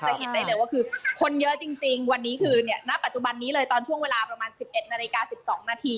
เห็นได้เลยว่าคือคนเยอะจริงวันนี้คือเนี่ยณปัจจุบันนี้เลยตอนช่วงเวลาประมาณ๑๑นาฬิกา๑๒นาที